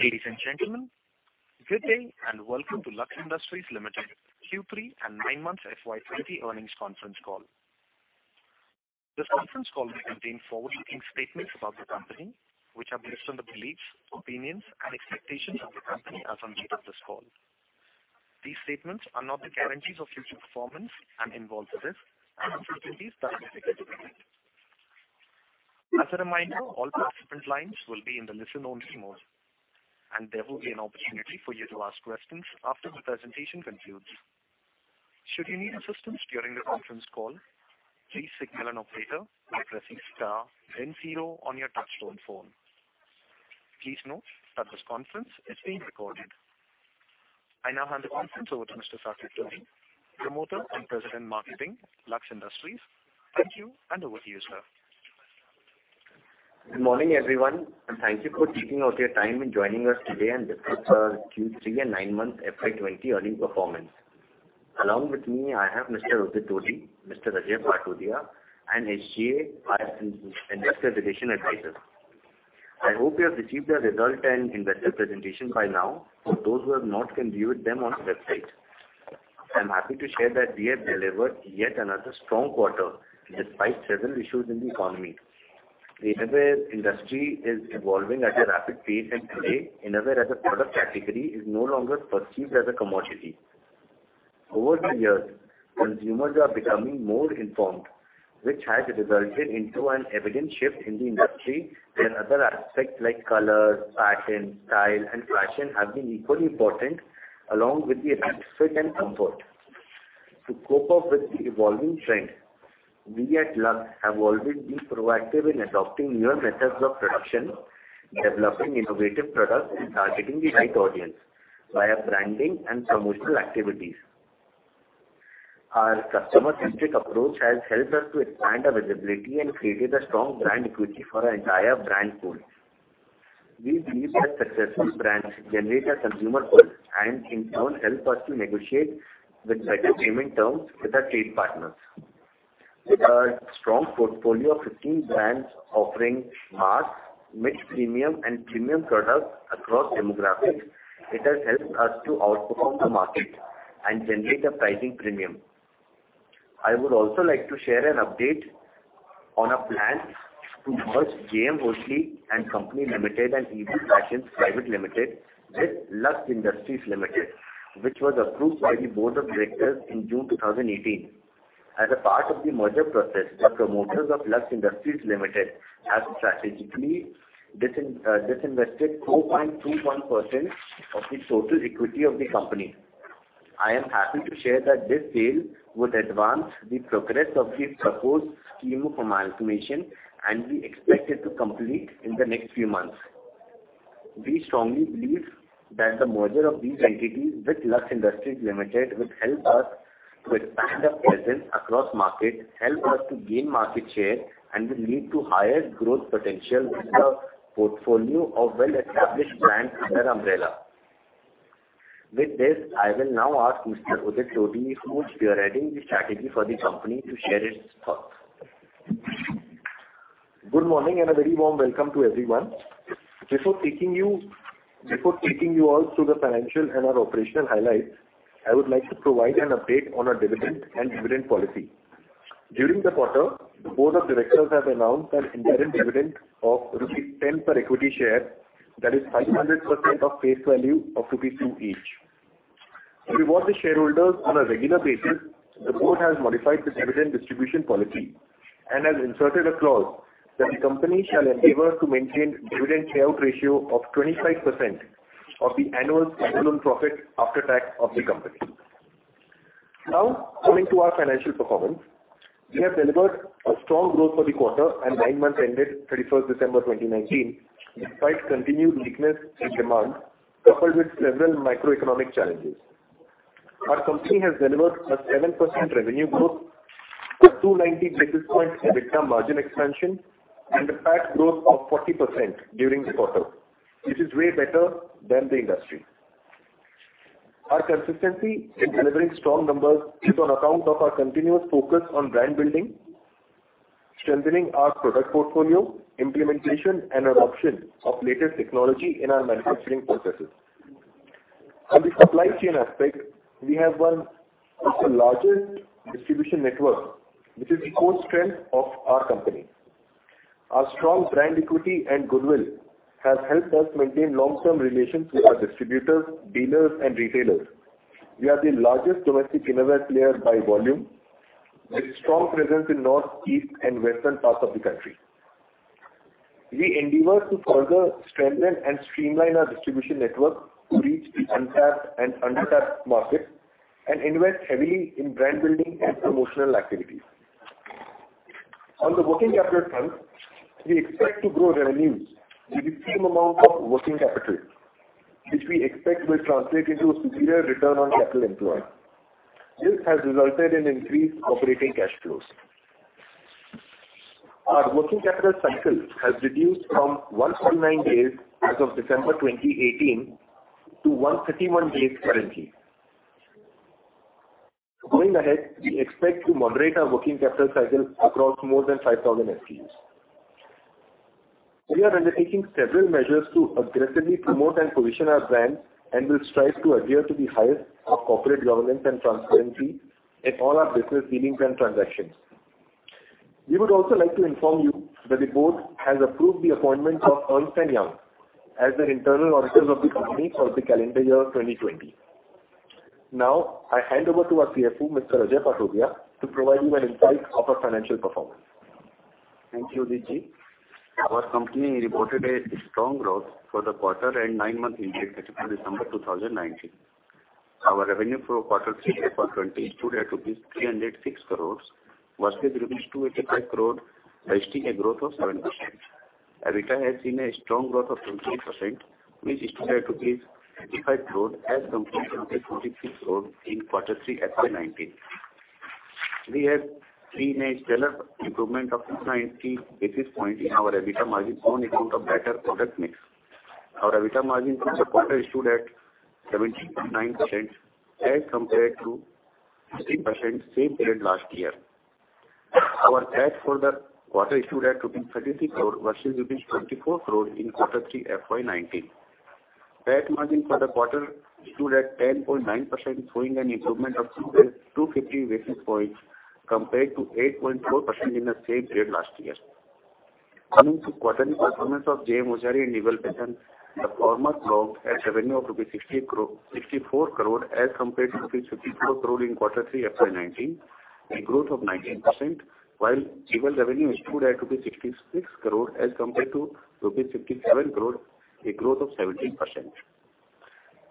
Ladies and gentlemen, good day, and welcome to Lux Industries Limited Q3 and nine months FY2020 earnings conference call. This conference call may contain forward-looking statements about the company, which are based on the beliefs, opinions, and expectations of the company as on date of this call. These statements are not the guarantees of future performance and involve risks and uncertainties that are difficult to predict. As a reminder, all participant lines will be in the listen-only mode, and there will be an opportunity for you to ask questions after the presentation concludes. Should you need assistance during the conference call, please signal an operator by pressing star then zero on your touchtone phone. Please note that this conference is being recorded. I now hand the conference over to Mr. Saket Todi, Promoter and President, Marketing, Lux Industries. Thank you, and over to you, sir. Good morning, everyone, and thank you for taking out your time in joining us today and discuss our Q3 and nine-month FY 2020 earnings performance. Along with me, I have Mr. Udit Todi, Mr. Ajay Patodia, and SGA, our investor relations advisor. I hope you have received the result and investor presentation by now. For those who have not, can view them on our website. I'm happy to share that we have delivered yet another strong quarter despite several issues in the economy. The innerwear industry is evolving at a rapid pace, and today, innerwear as a product category is no longer perceived as a commodity. Over the years, consumers are becoming more informed, which has resulted into an evident shift in the industry, where other aspects like color, pattern, style, and fashion have been equally important, along with the right fit and comfort. To cope up with the evolving trend, we at Lux have always been proactive in adopting newer methods of production, developing innovative products, and targeting the right audience via branding and promotional activities. Our customer-centric approach has helped us to expand our visibility and created a strong brand equity for our entire brand portfolio. We believe that successful brands generate a consumer base and in turn help us to negotiate with better payment terms with our trade partners. With a strong portfolio of 15 brands offering mass, mid-premium and premium products across demographics, it has helped us to outperform the market and generate a pricing premium. I would also like to share an update on our plans to merge J.M. Hosiery & Co. Limited and Ebel Fashions Private Limited with Lux Industries Limited, which was approved by the board of directors in June 2018. As a part of the merger process, the promoters of Lux Industries Limited have strategically disinvested 4.21% of the total equity of the company. I am happy to share that this sale would advance the progress of the proposed scheme of amalgamation, and we expect it to complete in the next few months. We strongly believe that the merger of these entities with Lux Industries Limited will help us to expand our presence across market, help us to gain market share, and will lead to higher growth potential with a portfolio of well-established brands under our umbrella. With this, I will now ask Mr. Udit Todi, who is spearheading the strategy for the company, to share his thoughts. Good morning, and a very warm welcome to everyone. Before taking you all through the financial and our operational highlights, I would like to provide an update on our dividend and dividend policy. During the quarter, the board of directors have announced an interim dividend of rupees 10 per equity share, that is 500% of face value of rupees 2 each. To reward the shareholders on a regular basis, the board has modified the dividend distribution policy and has inserted a clause that the company shall endeavor to maintain dividend payout ratio of 25% of the annual standalone profit after tax of the company. Now, coming to our financial performance, we have delivered a strong growth for the quarter and nine months ended thirty-first December 2019, despite continued weakness in demand, coupled with several macroeconomic challenges. Our company has delivered a 7% revenue growth, a 290 basis points EBITDA margin expansion, and a PAT growth of 40% during the quarter, which is way better than the industry. Our consistency in delivering strong numbers is on account of our continuous focus on brand building, strengthening our product portfolio, implementation and adoption of latest technology in our manufacturing processes. On the supply chain aspect, we have one of the largest distribution network, which is the core strength of our company. Our strong brand equity and goodwill has helped us maintain long-term relations with our distributors, dealers, and retailers. We are the largest domestic innerwear player by volume, with strong presence in north, east, and western parts of the country. We endeavor to further strengthen and streamline our distribution network to reach the untapped and undertapped markets, and invest heavily in brand building and promotional activities. On the working capital front, we expect to grow revenues with the same amount of working capital, which we expect will translate into a superior return on capital employed. This has resulted in increased operating cash flows. Our working capital cycle has reduced from 109 days as of December 2018 to 131 days currently. Going ahead, we expect to moderate our working capital cycle across more than 5,000 SKUs. We are undertaking several measures to aggressively promote and position our brand, and will strive to adhere to the highest of corporate governance and transparency in all our business dealings and transactions. We would also like to inform you that the board has approved the appointment of Ernst & Young as an internal auditor of the company for the calendar year 2020. Now, I hand over to our CFO, Mr. Ajay Patodia, to provide you an insight of our financial performance. Thank you, Udit Ji. Our company reported a strong growth for the quarter and nine-month ended 31st December 2019. Our revenue for quarter three FY 20 stood at rupees 306 crore, versus rupees 285 crore, registering a growth of 7%. EBITDA has seen a strong growth of 28%, which stood at INR 35 crore as compared to 26 crore in quarter three FY 19. We have seen a stellar improvement of 690 basis points in our EBITDA margin on account of better product mix. Our EBITDA margin for the quarter stood at 17.9% as compared to 16% same period last year. Our PAT for the quarter stood at 33 crore versus 24 crore in quarter three FY 19. PAT margin for the quarter stood at 10.9%, showing an improvement of 250 basis points compared to 8.4% in the same period last year. Coming to quarterly performance of JM Hosiery and Ebel, the former logged a revenue of INR 64 crore as compared to INR 54 crore in quarter three FY 2019, a growth of 19%, while Ebel revenue stood at INR 66 crore as compared to INR 57 crore, a growth of 17%.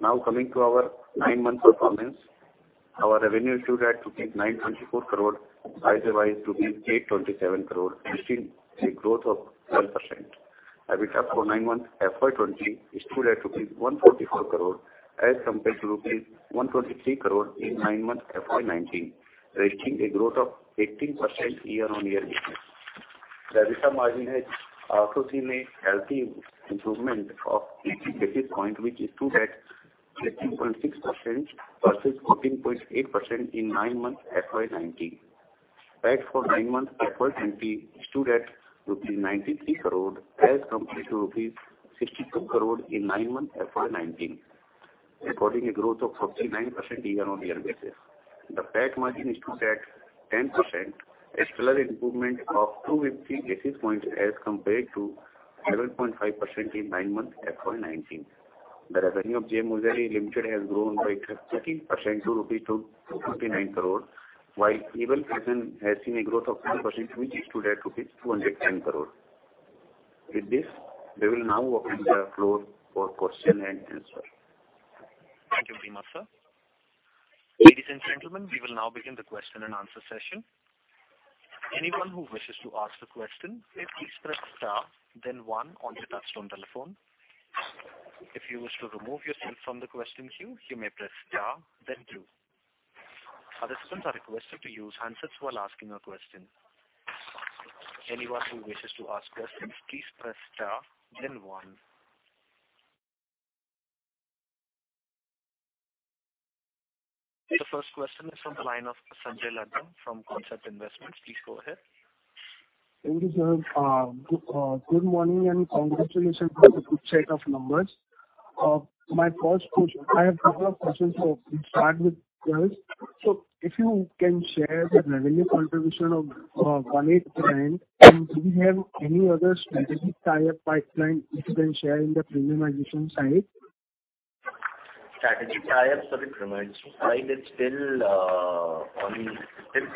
Now, coming to our nine-month performance, our revenue stood at 924 crore, either by 827 crore, registering a growth of 1%. EBITDA for nine months FY 2020 stood at rupees 144 crore as compared to rupees 123 crore in nine months FY 2019, registering a growth of 18% year-on-year basis. The EBITDA margin has also seen a healthy improvement of 80 basis points, which stood at 13.6% versus 14.8% in nine months FY 2019. PAT for nine months FY 2020 stood at INR 93 crore as compared to INR 62 crore in nine months FY 2019, recording a growth of 49% year-on-year basis. The PAT margin is stood at 10%, a stellar improvement of 250 basis points as compared to 11.5% in nine months FY 2019. The revenue of J.M. Hosiery Limited has grown by 13% to 259 crore rupees, while Ebel Fashions has seen a growth of 10%, which stood at rupees 210 crore. With this, we will now open the floor for question and answer. Thank you, Ajay sir. Ladies and gentlemen, we will now begin the question and answer session. Anyone who wishes to ask a question, please press star, then one on your touchtone telephone. If you wish to remove yourself from the question queue, you may press star then two. Our participants are requested to use handsets while asking a question. Anyone who wishes to ask questions, please press star, then one. The first question is from the line of Sanjay Ladha from Concept Investwell. Please go ahead. Good morning, and congratulations on the good set of numbers. My first question, I have couple of questions. So we'll start with this. So if you can share the revenue contribution of One8 brand, and do you have any other strategic tie-up pipeline, which you can share in the premiumization side? Strategy tie-ups for the premiumization side is still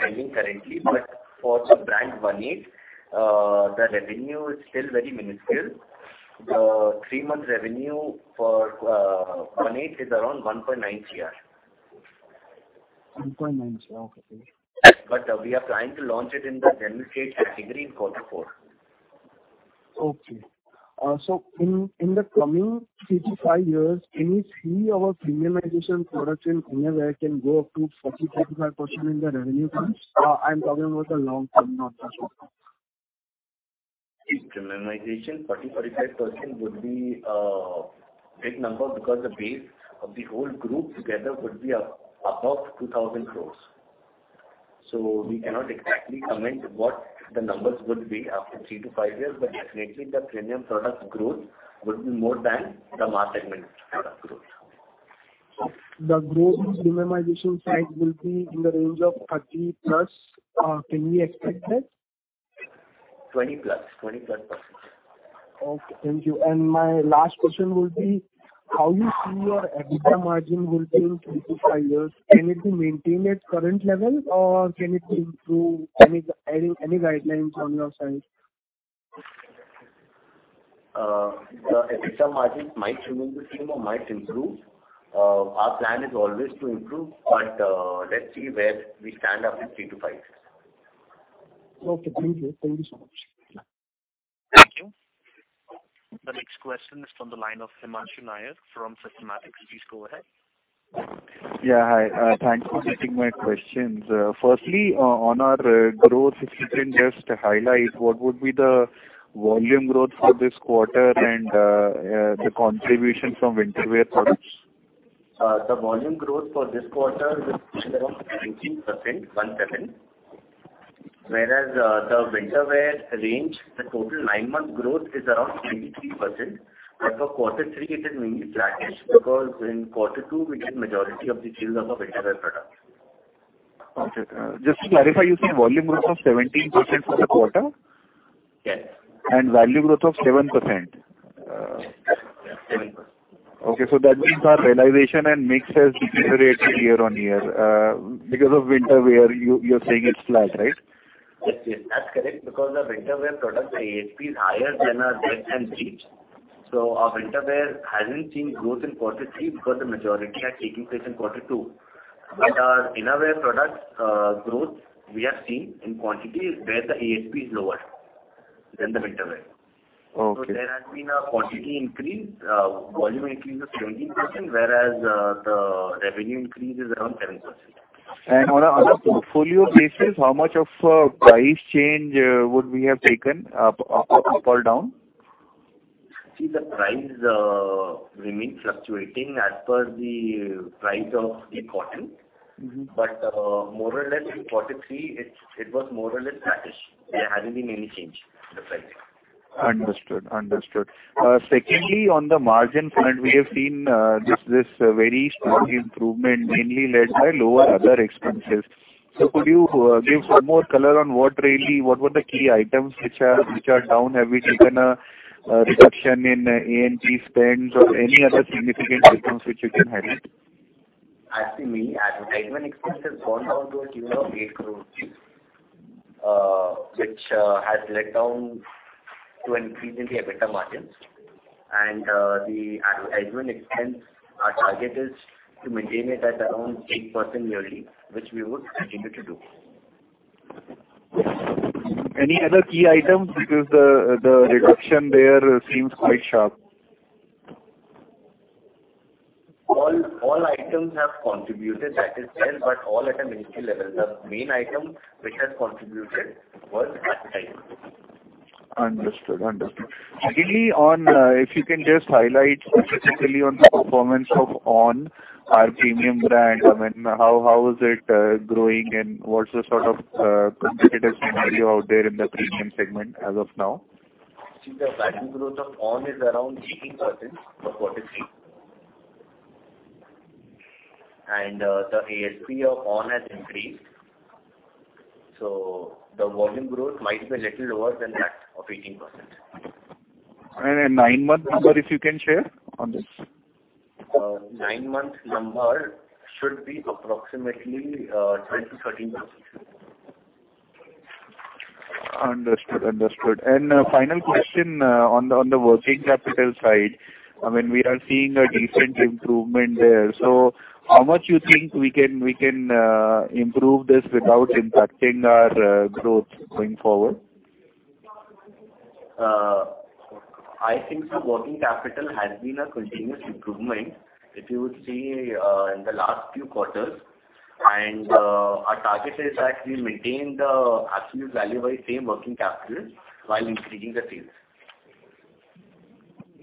pending currently. But for the brand One8, the revenue is still very minuscule. Three-month revenue for One8 is around 1.9 Cr. 1.9, okay. We are planning to launch it in the general trade category in quarter four. Okay, so in the coming three to five years, can we see our premiumization products in premium go up to 40-45% in the revenue terms? I'm talking about the long term, not the short term. In premiumization, 40-45% would be a big number, because the base of the whole group together would be above 2,000 crore. So we cannot exactly comment what the numbers would be after three to five years, but definitely the premium product growth would be more than the mass segment product growth. The growth in premiumization side will be in the range of thirty plus, can we expect that? 20+%, 20+%. Okay, thank you. And my last question would be: How you see your EBITDA margin will be in three to five years? Can it be maintained at current level, or can it improve? Any guidelines from your side? The EBITDA margins might remain the same or might improve. Our plan is always to improve, but, let's see where we stand after three to five years. Okay, thank you. Thank you so much. Thank you. The next question is from the line of Himanshu Nayyar from Systematix. Please go ahead. Yeah, hi, thanks for taking my questions. Firstly, on our growth, if you can just highlight what would be the volume growth for this quarter and, the contribution from winter wear products? The volume growth for this quarter is around 19%, whereas the winter wear range, the total nine-month growth is around 93%. For quarter three, it is mainly flattish, because in quarter two, we did majority of the sales of our winter wear products. Okay. Just to clarify, you said volume growth of 17% for the quarter? Yes. Value growth of 7%. Seven percent. Okay, so that means our realization and mix has deteriorated year-on-year because of winter wear. You're saying it's flat, right? Yes, yes, that's correct. Because our winter wear products, the ASP is higher than our innerwear and beachwear. So our winter wear hasn't seen growth in quarter three, because the majority are taking place in quarter two. Right. But our innerwear products, growth, we have seen in quantities where the ASP is lower than the winter wear. Okay. So there has been a quantity increase, volume increase of 17%, whereas the revenue increase is around 10%. On a portfolio basis, how much of price change would we have taken up or down? See, the price remains fluctuating as per the price of the cotton. Mm-hmm. But, more or less, in quarter three, it was more or less flattish. There hasn't been any change in the pricing. Understood, understood. Secondly, on the margin front, we have seen this very strong improvement, mainly led by lower other expenses. So could you give some more color on what really, what were the key items which are, which are down? Have we taken a reduction in AMP spends or any other significant items which you can highlight? Actually, advertisement expense has gone down to a tune of eight crore, which has led down to an increase in the EBITDA margins. The advertisement expense, our target is to maintain it at around 8% yearly, which we would continue to do. Any other key items? Because the reduction there seems quite sharp. All items have contributed, that is, well, but all at a minimal level. The main item which has contributed was advertising. Understood, understood. Actually, on, if you can just highlight specifically on the performance of ONN, our premium brand, I mean, how is it growing, and what's the sort of competitive scenario out there in the premium segment as of now? The value growth of ONN is around 18% for quarter three, and the ASP of ONN has increased, so the volume growth might be a little lower than that of 18%. A nine-month number, if you can share on this? Nine-month number should be approximately 12%-13%. Understood, understood. And final question on the working capital side, I mean, we are seeing a decent improvement there. So how much you think we can improve this without impacting our growth going forward? I think the working capital has been a continuous improvement, if you would see, in the last few quarters. And our target is that we maintain the absolute value by same working capital while increasing the sales.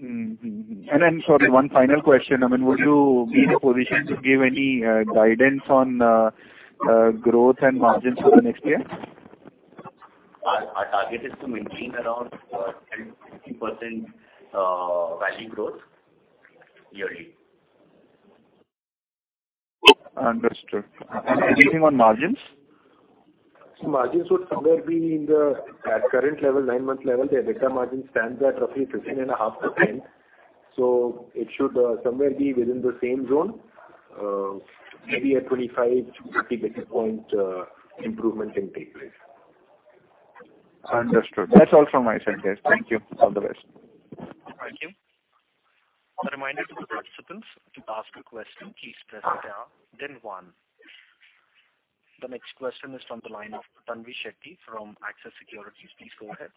Mm-hmm. And then sorry, one final question. I mean, would you be in a position to give any guidance on growth and margins for the next year? Our target is to maintain around 10%-15% value growth yearly. Understood. And anything on margins? Margins would somewhere be in the, at current level, nine-month level, the EBITDA margin stands at roughly 13.5%. So it should somewhere be within the same zone, maybe a 25-50 basis point improvement can take place. Understood. That's all from my side, guys. Thank you. All the best. Thank you. A reminder to the participants, to ask a question, please press star, then one. The next question is from the line of Tanvi Shetty from Axis Securities. Please go ahead.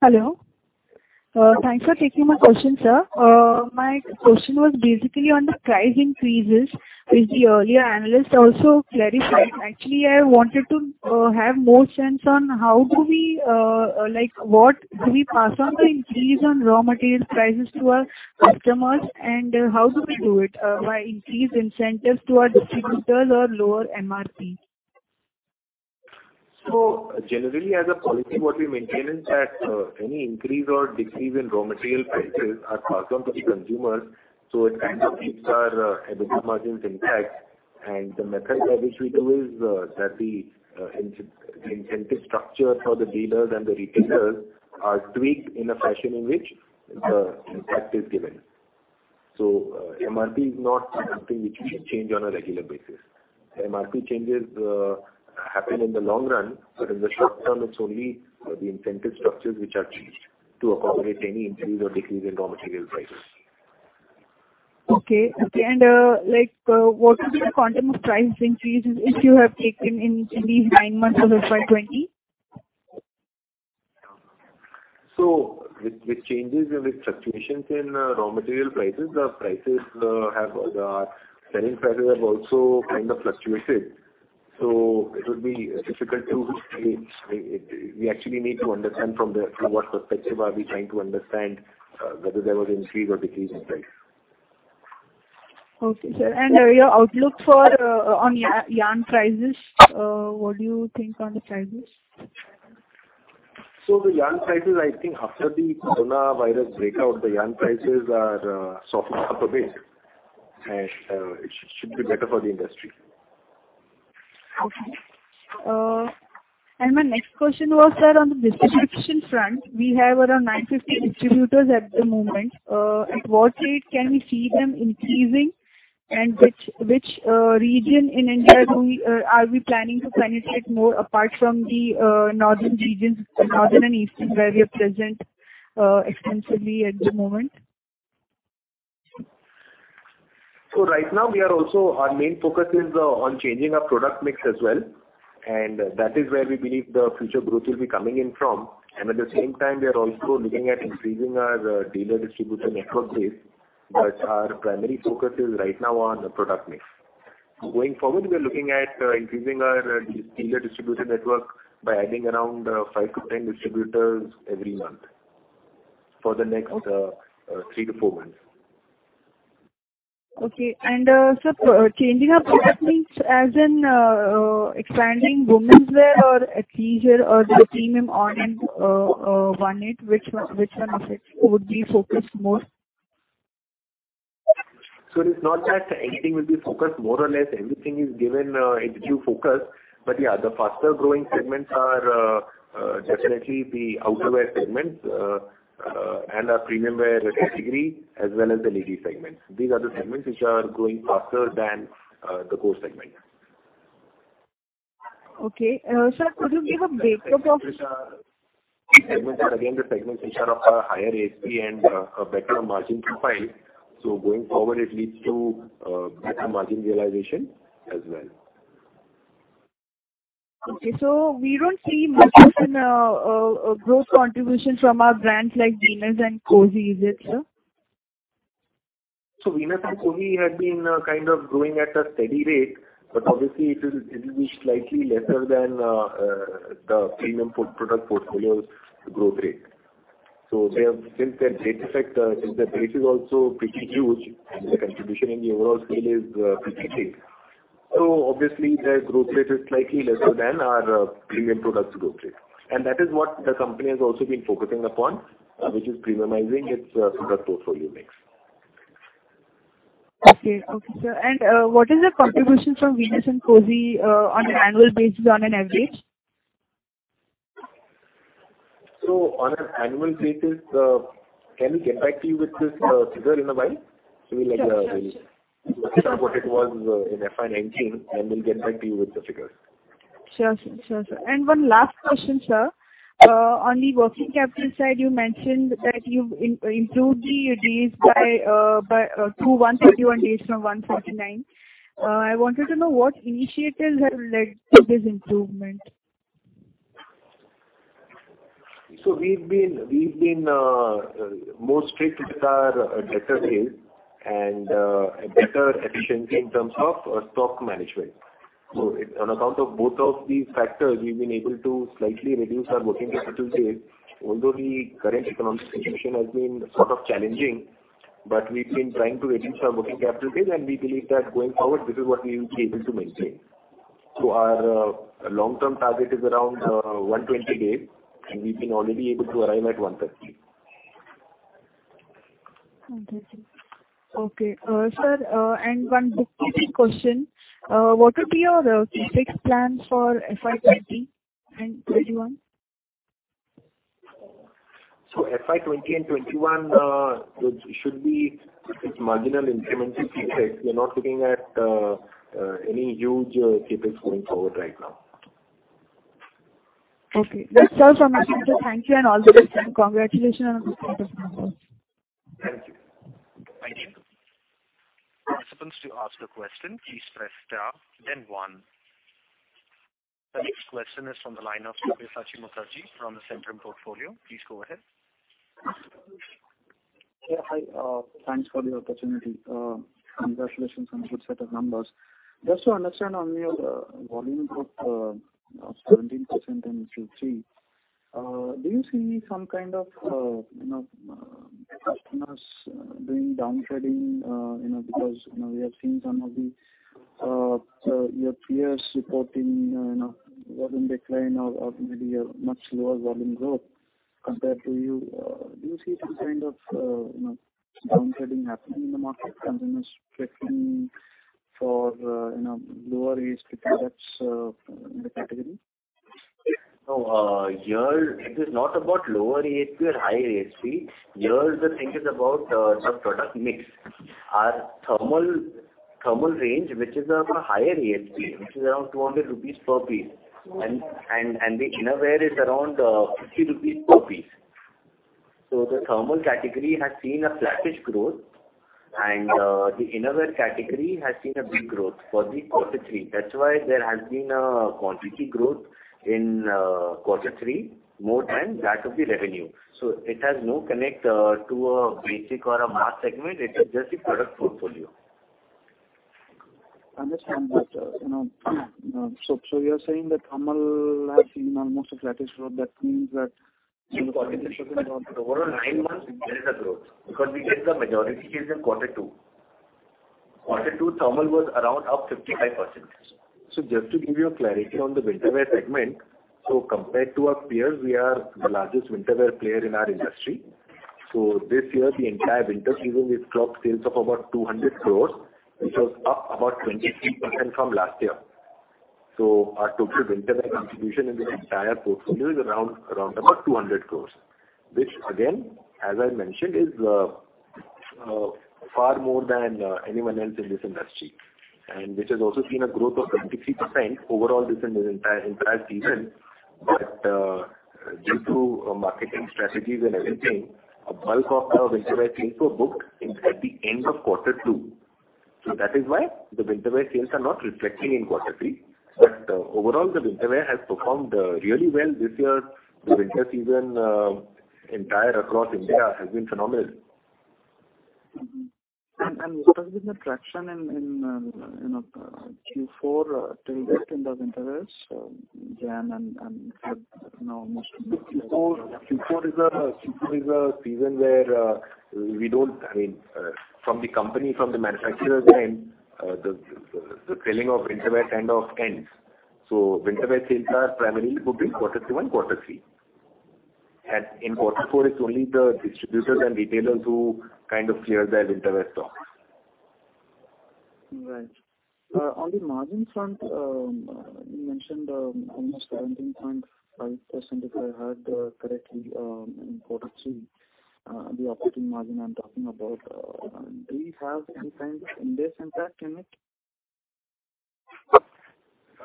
Hello. Thanks for taking my question, sir. My question was basically on the price increases, which the earlier analyst also clarified. Actually, I wanted to have more sense on how do we, like, what do we pass on the increase on raw material prices to our customers, and how do we do it? By increased incentives to our distributors or lower MRP? So generally, as a policy, what we maintain is that any increase or decrease in raw material prices are passed on to the consumers, so it kind of keeps our EBITDA margins intact. And the method by which we do is that the incentive structure for the dealers and the retailers are tweaked in a fashion in which the impact is given. So MRP is not something which we change on a regular basis. MRP changes happen in the long run, but in the short term, it's only the incentive structures which are changed to accommodate any increase or decrease in raw material prices. Okay. Okay, and, like, what is the quantum of price increases which you have taken in these nine months of 520? So with changes and with fluctuations in raw material prices, the prices, selling prices have also kind of fluctuated. So it would be difficult to say. We actually need to understand from what perspective are we trying to understand whether there was increase or decrease in price?... Okay, sir, and your outlook for on yarn prices, what do you think on the prices? So the yarn prices, I think after the coronavirus outbreak, the yarn prices are softened up a bit, and it should be better for the industry. Okay. And my next question was, sir, on the distribution front, we have around 950 distributors at the moment. At what rate can we see them increasing? And which region in India are we planning to penetrate more apart from the northern regions, northern and eastern, where we are present extensively at the moment? Right now, our main focus is on changing our product mix as well, and that is where we believe the future growth will be coming in from. At the same time, we are also looking at increasing our dealer distributor network base. Okay. But our primary focus is right now on the product mix. Going forward, we are looking at increasing our dealer distributor network by adding around five to 10 distributors every month for the next- Okay. Three to four months. Okay, and, sir, changing our product mix, as in, expanding women's wear or leisure or the premium ONN and One8, which one is it would be focused more? So it's not that anything will be focused more or less. Everything is given equal focus. But yeah, the faster growing segments are definitely the outerwear segments and our premium wear category, as well as the lady segments. These are the segments which are growing faster than the core segments. Okay. Sir, could you give a breakup of- These are, these segments are, again, the segments which are of a higher ASP and a better margin profile, so going forward, it leads to better margin realization as well. Okay, so we don't see much of an growth contribution from our brands like Venus and Cozi, is it, sir? Venus and Cozi had been kind of growing at a steady rate, but obviously it will be slightly lesser than the premium product portfolio's growth rate. They have, since their base effect, since their base is also pretty huge, and the contribution in the overall scale is pretty big. Obviously, their growth rate is slightly lesser than our premium products growth rate. That is what the company has also been focusing upon, which is premiumizing its product portfolio mix. Okay. Okay, sir, and, what is the contribution from Venus and Cozi, on an annual basis, on an average? So on an annual basis, can we get back to you with this figure in a while? Sure, sure. So we'll look at what it was in FY 19, and we'll get back to you with the figures. Sure, sir. Sure, sir. And one last question, sir. On the working capital side, you mentioned that you've improved the days to 151 days from 149. I wanted to know what initiatives have led to this improvement? So we've been more strict with our debtors and a better efficiency in terms of stock management. So it, on account of both of these factors, we've been able to slightly reduce our working capital days, although the current economic situation has been sort of challenging, but we've been trying to reduce our working capital days, and we believe that going forward, this is what we will be able to maintain. So our long-term target is around 120 days, and we've been already able to arrive at 130. Okay. Okay, sir, and one bookkeeping question. What would be your CapEx plans for FY 2020 and 2021? FY 2020 and 2021 should be marginal incremental CapEx. We are not looking at any huge CapEx going forward right now. Okay. That's all from my end. Thank you and all the best, and congratulations on the set of numbers. Thank you. Thank you. Participants, to ask a question, please press star, then one. The next question is from the line of Debashish Mukherjee from the Centrum Broking. Please go ahead. Yeah, hi, thanks for the opportunity. Congratulations on the good set of numbers. Just to understand on your volume growth, 17% in Q3, do you see some kind of, you know, customers doing downtrading, you know, because, you know, we have seen some of your peers reporting, you know, volume decline or maybe a much lower volume growth compared to you. Do you see some kind of, you know, downtrading happening in the market, consumers shifting for, you know, lower ASP products in the category? No, here it is not about lower ASP or higher ASP. Here, the thing is about the product mix. Our thermal range, which is a higher ASP, which is around 200 rupees per piece, and the innerwear is around 50 rupees per piece. So the thermal category has seen a flattish growth, and the innerwear category has seen a big growth for the quarter three. That's why there has been a quantity growth in quarter three, more than that of the revenue. So it has no connect to a basic or a mass segment. It is just the product portfolio.... I understand, but, you know, so, so you are saying that thermal has seen almost a flattish growth. That means that- Overall, nine months, there is a growth, because we get the majority sales in quarter two. Quarter two, thermal was around up 55%. So just to give you a clarity on the winter wear segment, so compared to our peers, we are the largest winter wear player in our industry. So this year, the entire winter season, we've clocked sales of about 200 crore, which was up about 23% from last year. So our total winter wear contribution in the entire portfolio is around about 200 crore, which again, as I mentioned, is far more than anyone else in this industry. And which has also seen a growth of 23% overall, this in the entire season. But due to marketing strategies and everything, a bulk of our winter wear sales were booked in at the end of quarter two. So that is why the winter wear sales are not reflecting in quarter three. But, overall, the winter wear has performed, really well this year. The winter season, entire across India has been phenomenal. Mm-hmm. What has been the traction in, you know, Q4 till date in those intervals, January and, you know, most of the- Q4 is a season where, I mean, from the company, from the manufacturer's end, the selling of winter wear kind of ends. So winter wear sales are primarily booked in quarter two and quarter three. And in quarter four, it's only the distributors and retailers who kind of clear their winter wear stocks. Right. On the margin front, you mentioned almost 17.5%, if I heard correctly, in quarter three, the operating margin I'm talking about. Do you have any kind of index impact in it?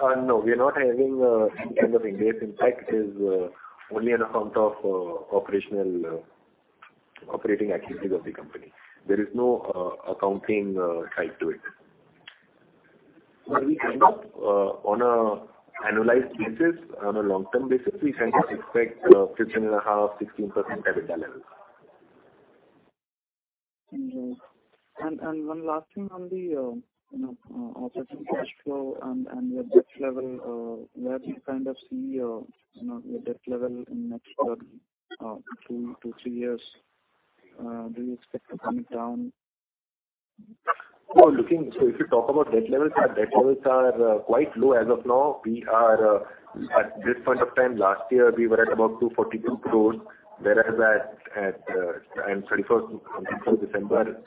No, we are not having any kind of index. In fact, it is only on account of operational activities of the company. There is no accounting side to it. So we kind of, on an annualized basis, on a long-term basis, we kind of expect 15.5%-16% EBITDA levels. Mm-hmm. And one last thing on the, you know, operating cash flow and your debt level, where do you kind of see, you know, your debt level in next two to three years? Do you expect it coming down? So if you talk about debt levels, our debt levels are quite low as of now. At this point of time last year, we were at about 242 crore, whereas at December thirty-first,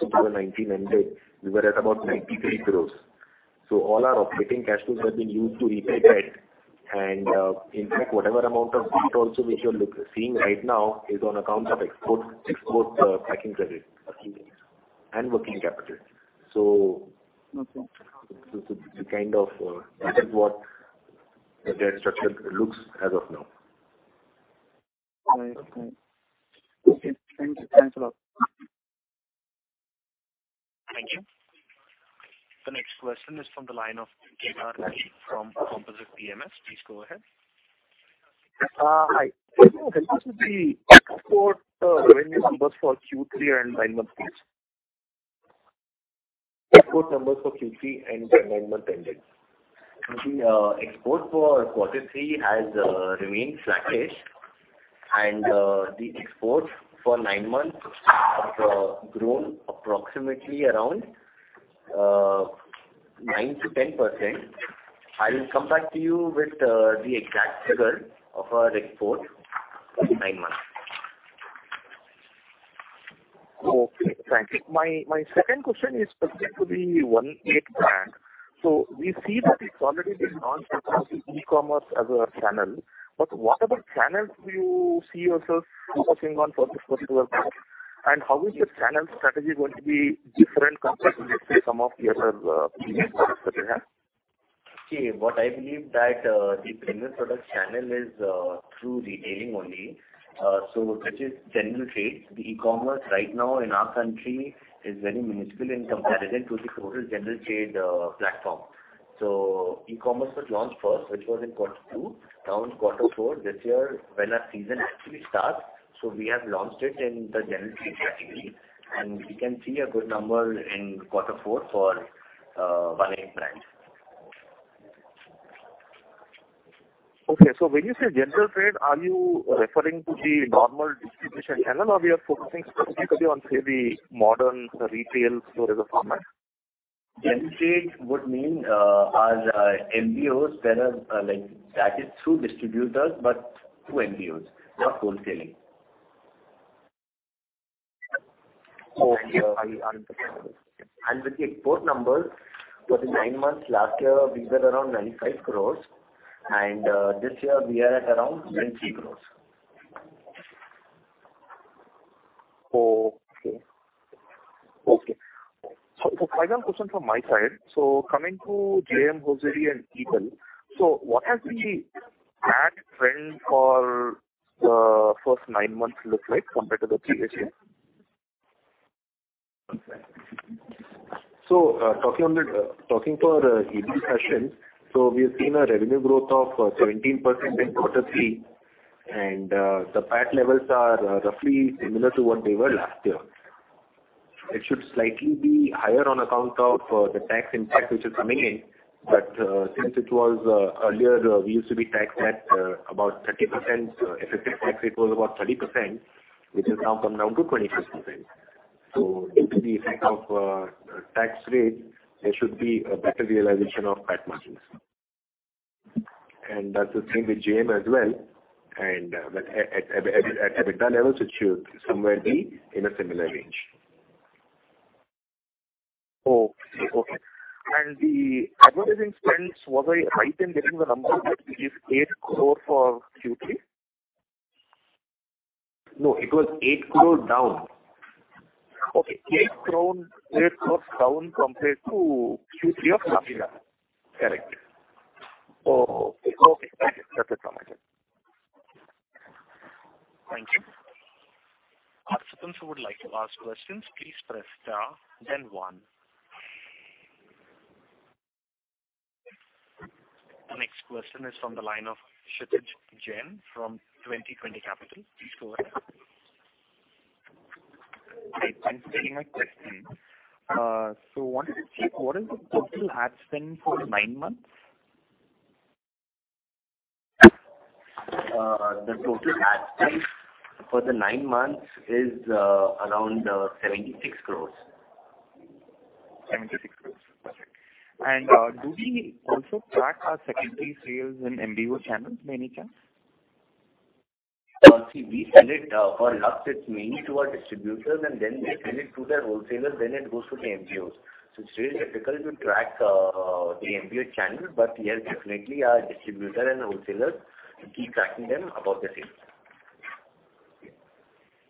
2019 ending, we were at about 93 crore. So all our operating cash flows have been used to repay debt. And in fact, whatever amount of debt also which you're seeing right now is on account of export packing credit and working capital. So Okay. kind of, that is what the debt structure looks as of now. All right. Okay. Thank you. Thanks a lot. Thank you. The next question is from the line of Jigar Mehta from Composite PMS. Please go ahead. Hi. Could you help us with the export revenue numbers for Q3 and nine months, please? Export numbers for Q3 and nine-month ending. The export for quarter three has remained flattish. And the exports for nine months have grown approximately around 9%-10%. I will come back to you with the exact figure of our export for the nine months. Okay, thank you. My second question is specific to the One8 brand so we see that it's already been launched across e-commerce as a channel but what other channels do you see yourself focusing on for the first twelve months and how is your channel strategy going to be different compared to, let's say, some of your previous products that you have? See, what I believe that, the premium product channel is, through retailing only, so which is general trade. The e-commerce right now in our country is very minuscule in comparison to the total general trade, platform. So e-commerce was launched first, which was in quarter two. Now in quarter four, this year, when our season actually starts, so we have launched it in the general trade category, and we can see a good number in quarter four for, One8 brand. Okay, so when you say general trade, are you referring to the normal distribution channel, or we are focusing specifically on, say, the modern retail store as a format? General trade would mean, our MBOs that are, like, that is through distributors, but through MBOs, not wholesaling. Okay, I... With the export numbers, for the nine months last year, we were around 95 crore, and this year we are at around 93 crore. Okay. Okay. So final question from my side: So coming to J.M. Hosiery and Ebel, so what has the brand trend for the first nine months look like compared to the previous year? Talking about our Ebel Fashions, we have seen a revenue growth of 17% in quarter three, and the PAT levels are roughly similar to what they were last year. It should slightly be higher on account of the tax impact which is coming in. But since it was earlier, we used to be taxed at about 30%, effective tax rate was about 30%, which has now come down to 25%. So due to the effect of tax rate, there should be a better realization of PAT margins. And that's the same with JM as well, and but at EBITDA levels, it should somewhere be in a similar range. Oh, okay. And the advertising spends, was I right in getting the number, which is eight crore for Q3? No, it was eight crore down. Okay. 8 crore, 8 crore down compared to Q3 of last year. Correct. Oh, okay. That's, that's all. Thank you. Participants who would like to ask questions, please press star, then one. The next question is from the line of Kshitij Jain from 2Point2 Capital. Please go ahead. Hi, thanks for taking my question. So wanted to check, what is the total ad spend for nine months? The total ad spend for the nine months is around 76 crore. 76 crore. Perfect. And, do we also track our secondary sales in MBO channels by any chance? See, we sell it for Lux, it's mainly to our distributors, and then they sell it to their wholesalers, then it goes to the MBOs. So it's really difficult to track the MBO channel, but yes, definitely our distributor and wholesalers, we keep tracking them about the sales.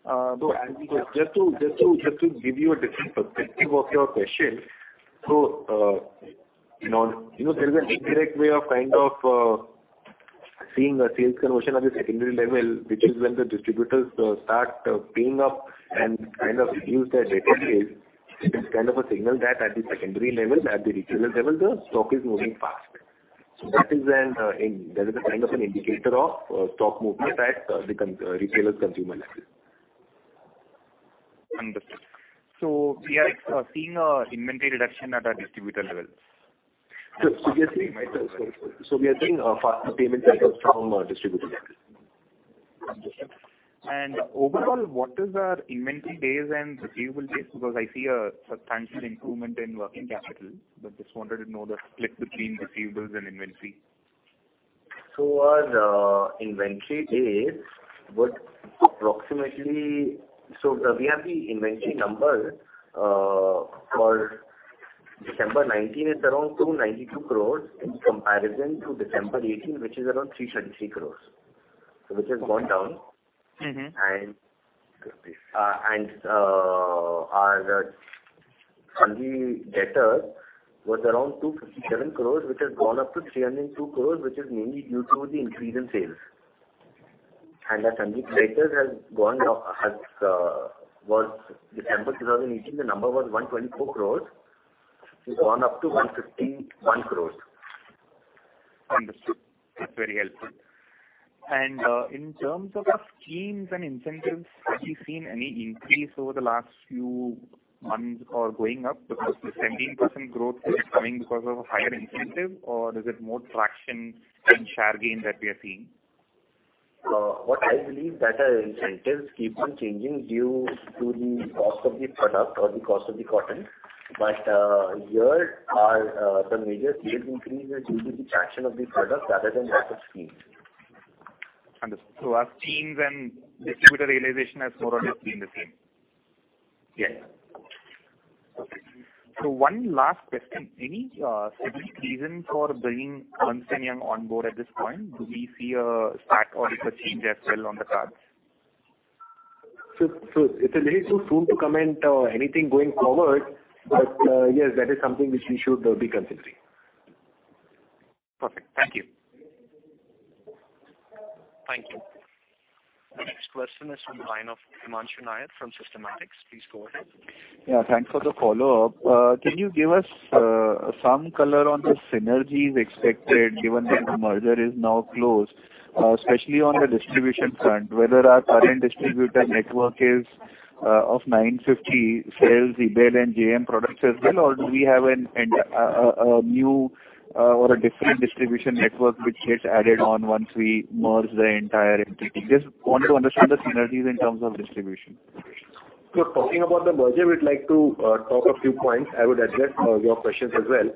Uh, so- Just to give you a different perspective of your question. So, you know, there is an indirect way of kind of seeing a sales conversion at the secondary level, which is when the distributors start paying up and kind of use their database. It is kind of a signal that at the secondary level, at the retailer level, the stock is moving fast. So that is a kind of an indicator of stock movement at the retailer consumer level. Understood. So we are seeing a inventory reduction at our distributor level? We are seeing faster payment cycles from our distributors. Understood. And overall, what is our inventory days and receivable days? Because I see a substantial improvement in working capital, but just wanted to know the split between receivables and inventory. Our inventory days was approximately. We have the inventory numbers for December 2019, it's around 292 crore, in comparison to December 2018, which is around 333 crore. Which has gone down. Mm-hmm. Our Sundry Debtors was around 257 crore, which has gone up to 302 crore, which is mainly due to the increase in sales. Our Sundry Debtors has gone up. Was December 2018, the number was 124 crore. It's gone up to 151 crore. Understood. That's very helpful. And, in terms of our schemes and incentives, have you seen any increase over the last few months or going up? Because the 17% growth, is it coming because of a higher incentive, or is it more traction and share gain that we are seeing? What I believe that our incentives keep on changing due to the cost of the product or the cost of the cotton. But, here, our the major sales increase are due to the traction of the product rather than because of schemes. Understood. So our schemes and distributor realization has more or less been the same? Yes. Perfect. So one last question: Any specific reason for bringing Ernst & Young on board at this point? Do we see a statutory audit or change as well on the cards? So, it's a little too soon to comment on anything going forward, but yes, that is something which we should be considering. Perfect. Thank you. Thank you. The next question is from the line of Himanshu Nayyar from Systematix. Please go ahead. Yeah, thanks for the follow-up. Can you give us some color on the synergies expected, given that the merger is now closed, especially on the distribution front, whether our current distributor network, of 950, sells the Ebel and JM products as well, or do we have a new or a different distribution network which gets added on once we merge the entire entity? Just want to understand the synergies in terms of distribution. Talking about the merger, we'd like to talk a few points. I would address your questions as well.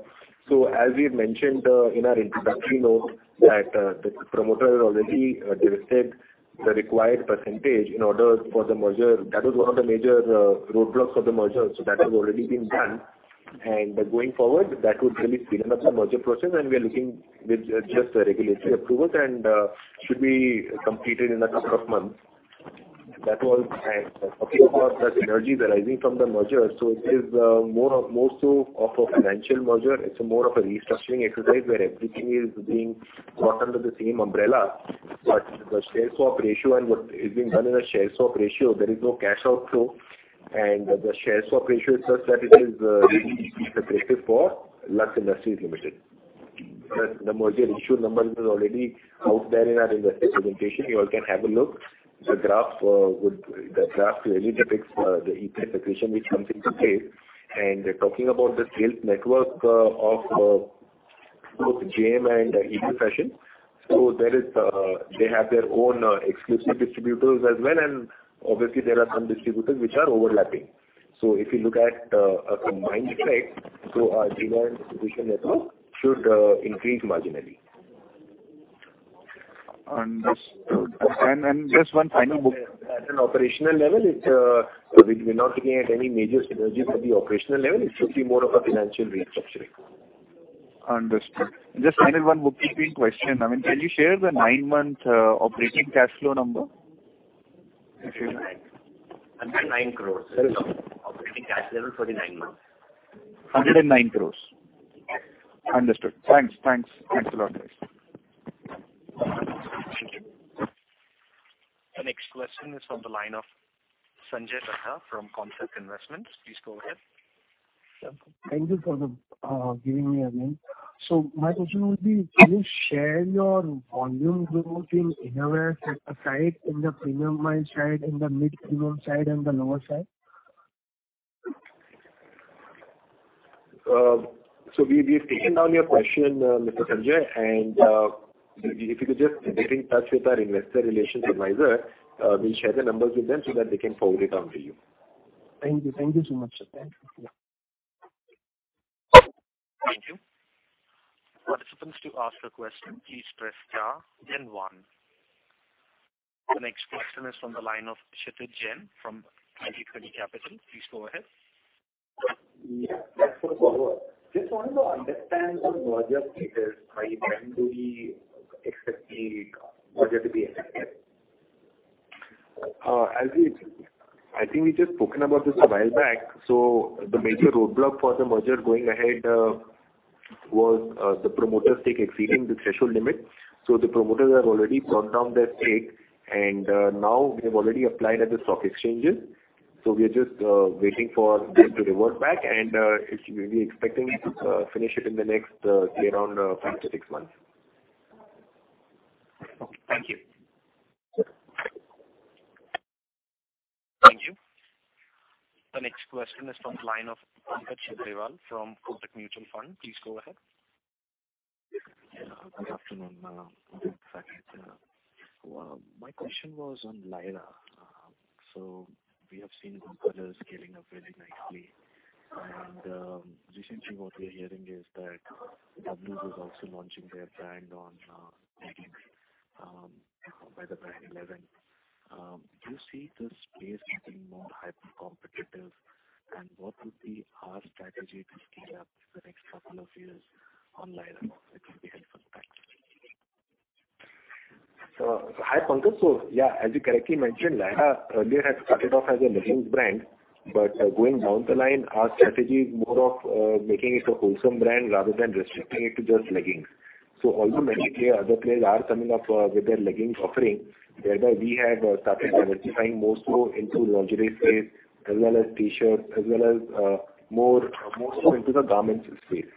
As we had mentioned in our introductory note, that the promoter has already divested the required percentage in order for the merger. That was one of the major roadblocks for the merger. So that has already been done. And going forward, that would really speed up the merger process, and we are looking with just the regulatory approvals, and should be completed in a couple of months. That was... And talking about the synergies arising from the merger, so it is more of- more so of a financial merger. It's more of a restructuring exercise, where everything is being brought under the same umbrella. But the share swap ratio and what is being done in a share swap ratio, there is no cash outflow. And the share swap ratio is such that it is really EPS accretive for Lux Industries Limited. The merger issue number is already out there in our investor presentation. You all can have a look. The graph really depicts the EPS accretion which comes into play. Talking about the sales network of both JM and Ebel Fashions, so there is they have their own exclusive distributors as well, and obviously there are some distributors which are overlapping. So if you look at a combined effect, so our dealer distribution network should increase marginally. Understood. And just one final book- At an operational level, it, we're not looking at any major synergies at the operational level. It should be more of a financial restructuring. Understood. Just final one bookkeeping question. I mean, can you share the nine-month operating cash flow number? INR 109 crore is the operating cash flow for the nine months. 109 crore. Understood. Thanks. Thanks. Thanks a lot, guys. Thank you. The next question is from the line of Sanjay Ladha from Concept Investwell. Please go ahead. Thank you for the, giving me again. So my question would be, can you share your volume growth in innerwear category, in the premium side, in the mid-premium side, and the lower side? So we've taken down your question, Mr. Sanjay, and if you could just get in touch with our investor relations advisor, we'll share the numbers with them so that they can forward it on to you. Thank you. Thank you so much, sir. Thank you. Thank you. Participants who want to ask a question, please press star then one. The next question is from the line of Kshitij Jain from 2Point2 Capital. Please go ahead. Yeah, just wanted to understand on merger status, by when do we expect the merger to be effective? As we... I think we've just spoken about this a while back. So the major roadblock for the merger going ahead was the promoters' stake exceeding the threshold limit. So the promoters have already brought down their stake, and now we have already applied at the stock exchanges. So we are just waiting for them to revert back, and we'll be expecting to finish it in the next around five to six months. Okay. Thank you. Thank you. The next question is from the line of Pankaj Tibrewal from Kotak Mutual Fund. Please go ahead. Yeah, good afternoon, Saket. My question was on Lyra. So we have seen competitors scaling up very nicely, and recently what we're hearing is that Dollar is also launching their brand on leggings by the brand Eleven. Do you see this space getting more hypercompetitive, and what would be our strategy to scale up the next couple of years on Lyra? It will be helpful, thanks. Hi, Pankaj. So, yeah, as you correctly mentioned, Lyra earlier had started off as a leggings brand, but going down the line, our strategy is more of making it a wholesome brand rather than restricting it to just leggings. So although many players, other players are coming up with their leggings offering, whereby we have started diversifying more so into lingerie space, as well as T-shirts, as well as more so into the garments space.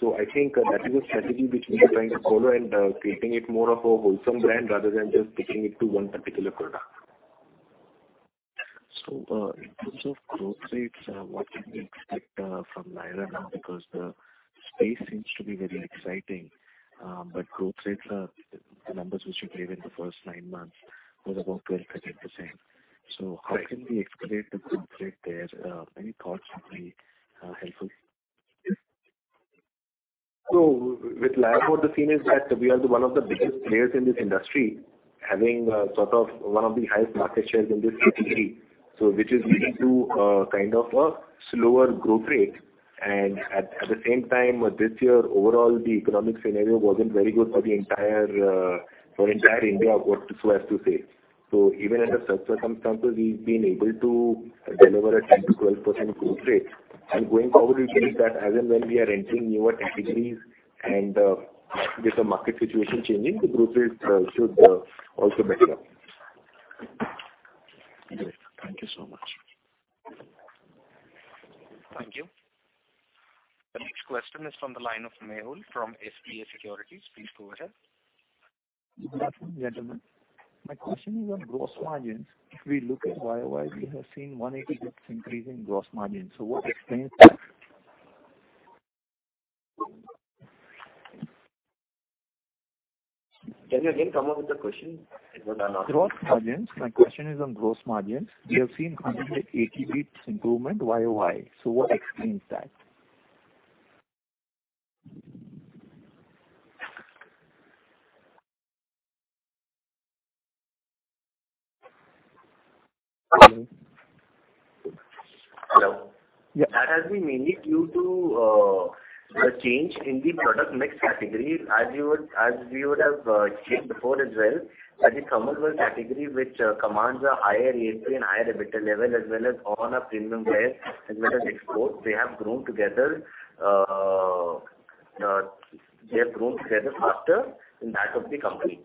So I think that is a strategy which we are trying to follow and creating it more of a wholesome brand rather than just sticking it to one particular product. In terms of growth rates, what can we expect from Lyra now? Because the space seems to be very exciting, but growth rates are, the numbers which you gave in the first nine months was about 12%-13%. Right. So how can we escalate the growth rate there? Any thoughts would be helpful? So with Lyra, what the scene is that we are one of the biggest players in this industry, having sort of one of the highest market shares in this category, so which is leading to kind of a slower growth rate. And at the same time, this year, overall, the economic scenario wasn't very good for the entire India, so as to say. So even under such circumstances, we've been able to deliver a 10%-12% growth rate. And going forward, we believe that as and when we are entering newer categories and with the market situation changing, the growth rate should also better. Great. Thank you so much. Thank you. The next question is from the line of Mehul from SPA Securities. Please go ahead. Good afternoon, gentlemen. My question is on gross margins. If we look at YOY, we have seen 180 increase in gross margins. So what explains that? Can you again come up with the question? I did not- Gross margins. My question is on gross margins. Yes. We have seen 180 basis points improvement YOY, so what explains that? Hello? Yeah. That has been mainly due to the change in the product mix category. As you would, as we would have shared before as well, that the comfortable category, which commands a higher ASP and higher EBITDA level, as well as on our premium wear, as well as export, they have grown together faster in that of the company. ...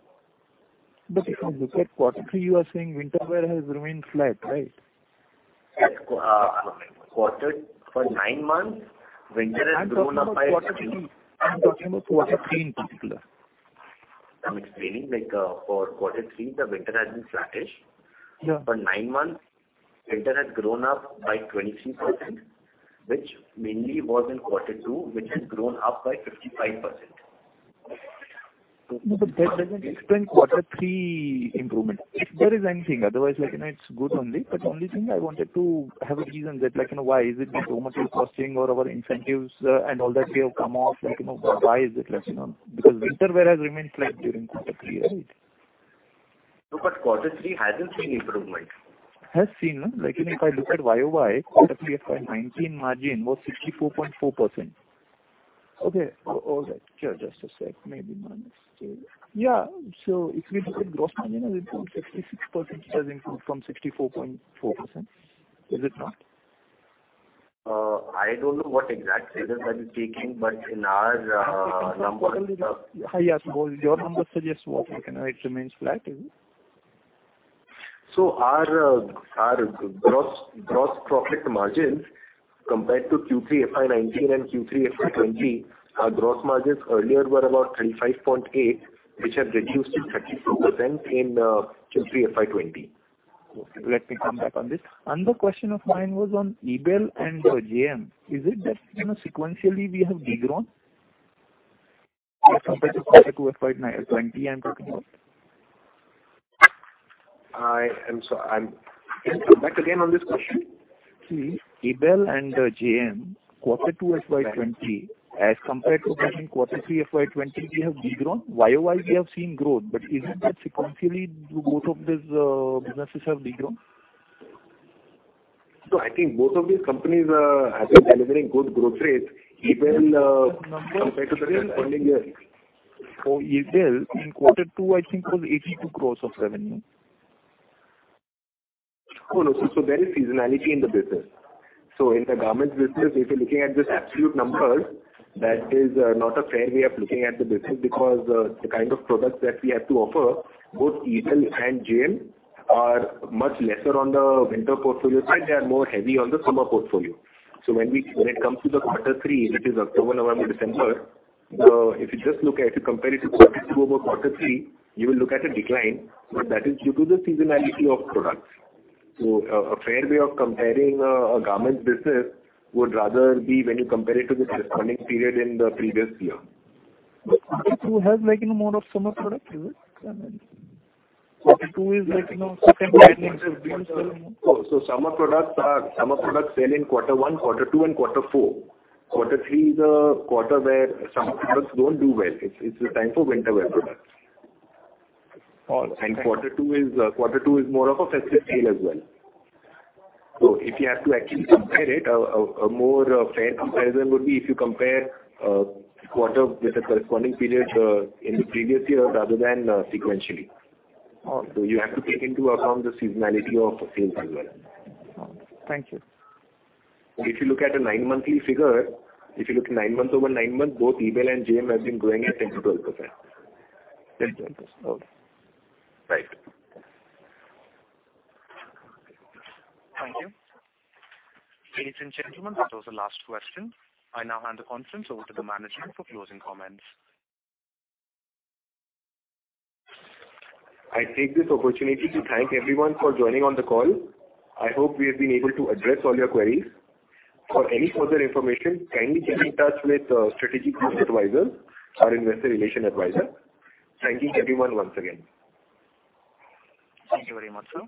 But if you look at quarter three, you are saying winter wear has remained flat, right? Yes, quarter for nine months, winter has grown up by- I'm talking about quarter three. I'm talking about quarter three in particular. I'm explaining, like, for quarter three, the winter has been flattish. Yeah. For nine months, winter has grown up by 23%, which mainly was in quarter two, which has grown up by 55%. No, but that doesn't explain quarter three improvement, if there is anything. Otherwise, like, you know, it's good only. But the only thing I wanted to have a reason that, like, you know, why is it that so much is costing or our incentives, and all that we have come off, like, you know, why is it less, you know? Because winter wear has remained flat during quarter three, right? No, but quarter three hasn't seen improvement. Has seen, no. Like, you know, if I look at YOY, quarter three of FY 2019 margin was 64.4%. Okay. All right. Sure, just a sec. Maybe my mistake. Yeah, so if we look at gross margin, has improved 66%, has improved from 64.4%. Is it not? I don't know what exact figures I will be taking, but in our numbers- Yeah, your numbers suggest what? Like, you know, it remains flat, is it? So our gross profit margins compared to Q3 FY 2019 and Q3 FY 2020, our gross margins earlier were about 35.8%, which have reduced to 32% in Q3 FY 2020. Okay, let me come back on this. Another question of mine was on Ebel and JM. Is it that, you know, sequentially we have de-grown? As compared to FY 2020, I'm talking about. Can you come back again on this question? See, Ebel and JM, quarter two FY 2020, as compared to quarter three FY 2020, we have de-grown. YOY, we have seen growth, but isn't that sequentially, both of these businesses have de-grown? So I think both of these companies have been delivering good growth rates, even, compared to the corresponding year. For Ebel, in quarter two, I think, was 82 crore of revenue. Oh, no. So there is seasonality in the business. So in the garment business, if you're looking at just absolute numbers, that is not a fair way of looking at the business, because the kind of products that we have to offer, both Ebel and JM, are much lesser on the winter portfolio, and they are more heavy on the summer portfolio. So when it comes to the quarter three, it is October, November, December. If you just look at, if you compare it to quarter two over quarter three, you will look at a decline, but that is due to the seasonality of products. So a fair way of comparing a garment business would rather be when you compare it to the corresponding period in the previous year. But quarter two has like, you know, more of summer products, is it? I mean, quarter two is like, you know, September, October. Summer products sell in quarter one, quarter two, and quarter four. Quarter three is a quarter where summer products don't do well. It's a time for winter wear products. All right. Quarter two is more of a festive sale as well. So if you have to actually compare it, a more fair comparison would be if you compare quarter with the corresponding period in the previous year rather than sequentially. All right. So you have to take into account the seasonality of sales as well. Thank you. If you look at the nine-monthly figure, if you look nine months over nine months, both Ebel and JM have been growing at 10%-12%. 10%, 12%. Okay. Right. Thank you. Ladies and gentlemen, that was the last question. I now hand the conference over to the management for closing comments. I take this opportunity to thank everyone for joining on the call. I hope we have been able to address all your queries. For any further information, kindly get in touch with our strategic advisor or investor relation advisor. Thank you, everyone, once again. Thank you very much, sir.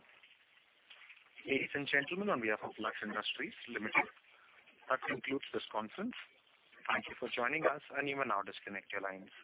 Ladies and gentlemen, on behalf of Lux Industries Limited, that concludes this conference. Thank you for joining us, and you may now disconnect your lines.